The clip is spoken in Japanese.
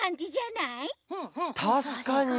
たしかに。